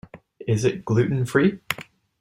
Is it gluten-free?